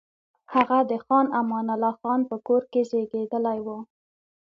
هغه د خان امان الله خان په کور کې زېږېدلی وو.